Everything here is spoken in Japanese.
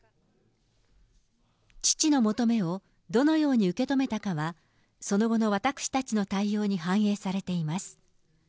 父の求めをどのように受け止めたかは、その後の私たちの対応に反映されています。